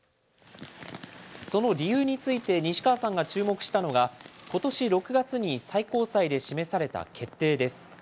その理由について西川さんが注目したのが、ことし６月に最高裁で示された決定です。